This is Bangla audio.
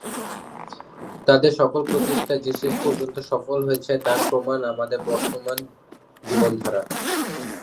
তাদের সকল প্রচেষ্টা যে শেষ পর্যন্ত সফল হয়েছে তার প্রমাণ আমাদের বর্তমান জীবনধারা।